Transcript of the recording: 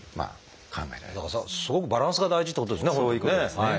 すごくバランスが大事ってことですね。